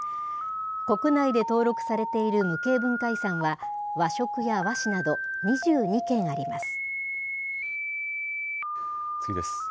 国内で登録されている無形文化遺産は、和食や和紙など２２件あり次です。